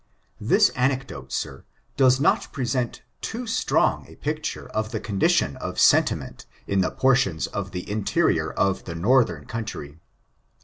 This anecdote, sir, does not present too strong a picture of the condition of sentiment in portions of the interior of the Northern country.